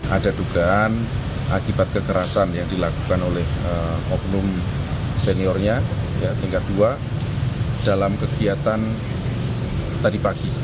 ada dugaan akibat kekerasan yang dilakukan oleh oknum seniornya tingkat dua dalam kegiatan tadi pagi